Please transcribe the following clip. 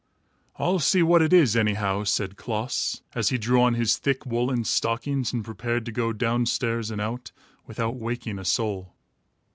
"I'll see what it is, anyhow," said Klaas, as he drew on his thick woolen stockings and prepared to go down stairs and out, without waking a soul.